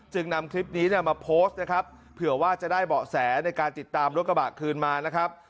นำคลิปนี้เนี่ยมาโพสต์นะครับเผื่อว่าจะได้เบาะแสในการติดตามรถกระบะคืนมานะครับ